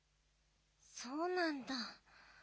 そうなんだ。